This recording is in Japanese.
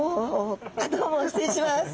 あっどうも失礼します。